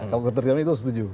kalau ketertiban itu setuju